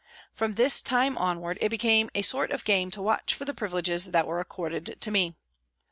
From this time onward it became a sort of game to watch for the privileges that were accorded to me.